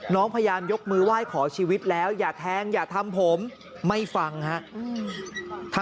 พยายามยกมือไหว้ขอชีวิตแล้วอย่าแทงอย่าทำผมไม่ฟังฮะ